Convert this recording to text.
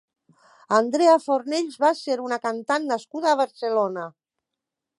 Andrea Fornells va ser una cantant nascuda a Barcelona.